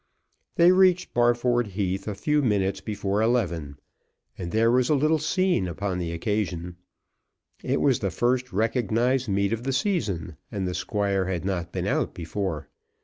They reached Barford Heath a few minutes before eleven, and there was a little scene upon the occasion. It was the first recognised meet of the season, and the Squire had not been out before.